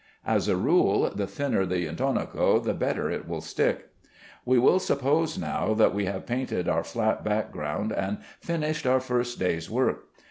As a rule the thinner the intonaco the better it will stick. We will suppose now that we have painted our flat background and finished our first day's work.